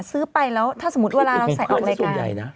ซื้อไปแล้วถ้าสมมติเวลาเราใส่ออกไปกัน